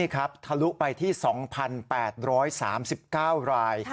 ทะลุไปที่๒๘๓๙ราย